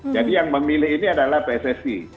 jadi yang memilih ini adalah pssc